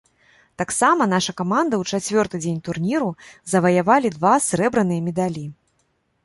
Таксама наша каманда ў чацвёрты дзень турніру заваявалі два срэбраныя медалі.